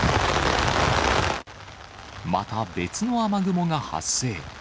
また別の雨雲が発生。